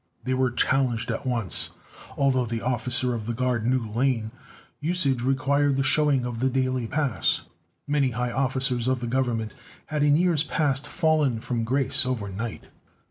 They were challenged at once. Although the officer of the guard knew Lane, usage required the showing of the daily pass. Many high officers of the Government had in years past fallen from grace overnight.